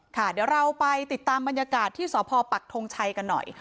ค่ะเดี๋ยวเราไปติดตามบรรยากาศที่สพปักทงชัยกันหน่อย